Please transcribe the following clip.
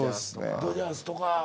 ドジャースとか。